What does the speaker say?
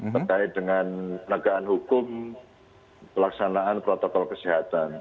terkait dengan penegaan hukum pelaksanaan protokol kesehatan